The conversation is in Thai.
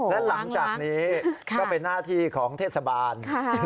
และหลังจากนี้ก็เป็นหน้าที่ของเทศบาล